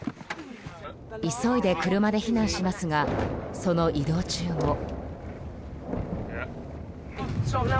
急いで車で避難しますがその移動中も。